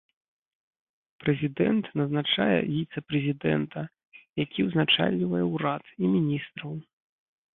Прэзідэнт назначае віцэ-прэзідэнта, які ўзначальвае ўрад, і міністраў.